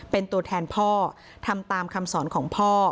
เป็นตัวแทนพ่อทำตามคำสอนของพ่อ